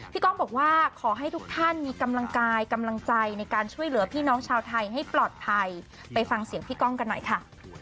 ก้องบอกว่าขอให้ทุกท่านมีกำลังกายกำลังใจในการช่วยเหลือพี่น้องชาวไทยให้ปลอดภัยไปฟังเสียงพี่ก้องกันหน่อยค่ะ